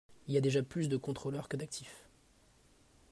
Il y a déjà plus de contrôleurs que d’actifs.